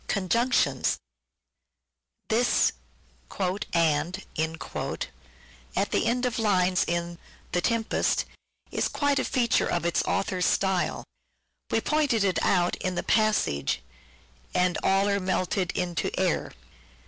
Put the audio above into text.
Con junc This " and " at the end of lines in " The Tempest " is quite a feature of its author's style. We pointed it out in the passage " and Are melted into air."